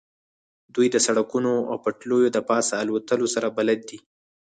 دوی د سړکونو او پټلیو د پاسه الوتلو سره بلد دي